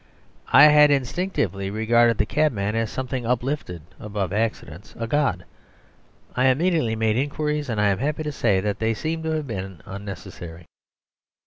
I had instinctively regarded the cabman as something uplifted above accidents, a god. I immediately made inquiries, and I am happy to say that they seemed to have been unnecessary.